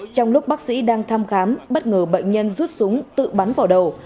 trong lúc bác sĩ đang thăm khám bất ngờ bệnh nhân rút súng tự bắn vào đầu